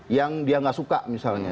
yang dia nggak suka misalnya